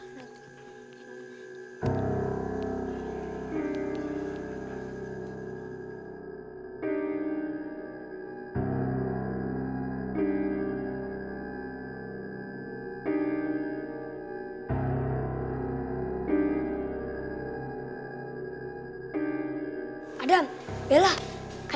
sampe sampe selesai